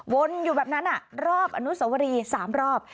อยู่แบบนั้นรอบอนุสวรี๓รอบ